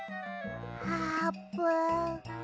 あーぷん。